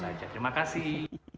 itu saja terima kasih